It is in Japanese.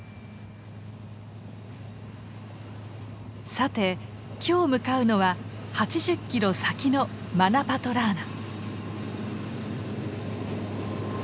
さて今日向かうのは８０キロ先のマナパトラーナ。